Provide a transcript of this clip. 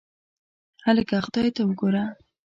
هکله خدای ته وګوره.